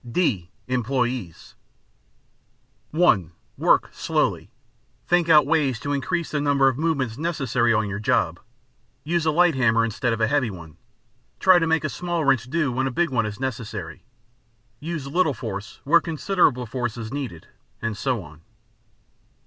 (d) Employees (1) Work slowly. Think out ways to increase the number of movements necessary on your job: use a light hammer instead of a heavy one, try to make a small wrench do when a big one is necessary, use little force where considerable force is needed, and so on.